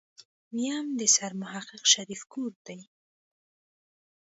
ويم د سرمحقق شريف کور دی.